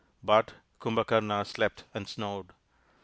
But Kumbhakarna slept and snored.